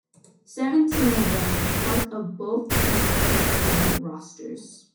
Seventeen of them were part of both Stanley Cup winning rosters.